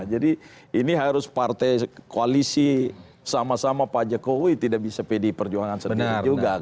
jadi ini harus partai koalisi sama sama pak jokowi tidak bisa pdi perjuangan sendiri juga kan